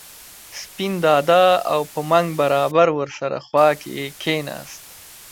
سپین دادا او په منګ برابر ور سره خوا کې کېناست.